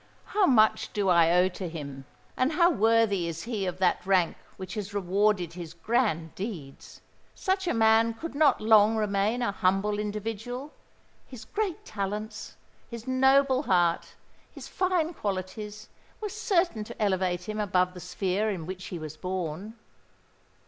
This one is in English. "How much do I owe to him—and how worthy is he of that rank which has rewarded his grand deeds! Such a man could not long remain a humble individual: his great talents—his noble heart—his fine qualities were certain to elevate him above the sphere in which he was born."